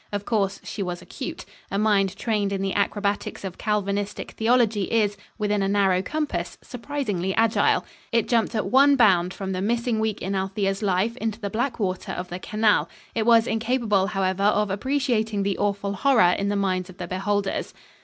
Of course she was acute. A mind trained in the acrobatics of Calvinistic Theology is, within a narrow compass, surprisingly agile. It jumped at one bound from the missing week in Althea's life into the black water of the canal. It was incapable, however, of appreciating the awful horror in the minds of the beholders.